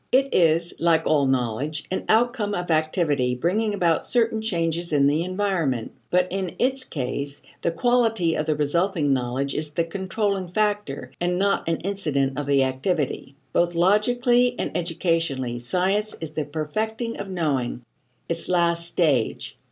It is, like all knowledge, an outcome of activity bringing about certain changes in the environment. But in its case, the quality of the resulting knowledge is the controlling factor and not an incident of the activity. Both logically and educationally, science is the perfecting of knowing, its last stage.